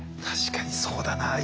確かにそうだな。